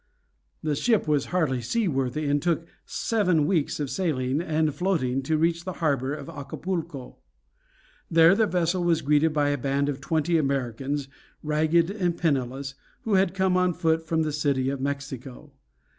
The ship was hardly seaworthy, and took seven weeks of sailing and floating to reach the harbor of Acapulco. There the vessel was greeted by a band of twenty Americans, ragged and penniless, who had come on foot from the City of Mexico.